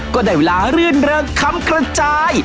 ก็ได้เวลารื่นเริงคำกระจาย